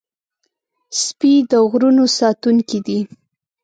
سپي د غرونو ساتونکي دي.